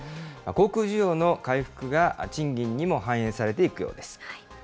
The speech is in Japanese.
航空需要の回復が賃金にも反映されていくようです。